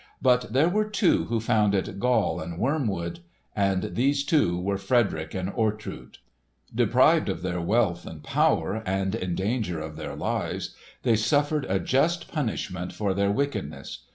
But there were two who found it gall and wormwood, and these two were Frederick and Ortrud. Deprived of their wealth and power, and in danger of their lives, they suffered a just punishment for their wickedness.